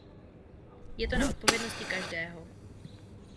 Je to na odpovědnosti každého.